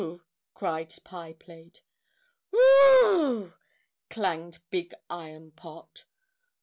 cried Pie Plate. "Whew!" clanged Big Iron Pot.